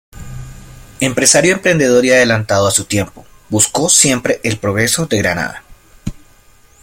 Empresario emprendedor y adelantado a su tiempo, buscó siempre el progreso de Granada.